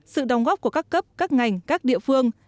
sự đóng góp của các cấp các ngành các địa phương